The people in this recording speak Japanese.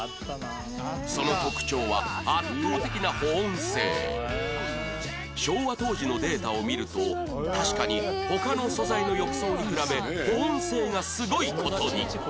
その特徴は昭和当時のデータを見ると確かに他の素材の浴槽に比べ保温性がすごい事に